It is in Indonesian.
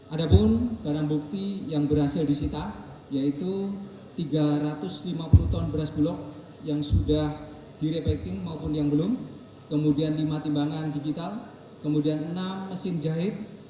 ada pun barang bukti yang berhasil disita yaitu tiga ratus lima puluh ton beras bulog yang sudah direpekting maupun yang belum kemudian lima timbangan digital kemudian enam mesin jahit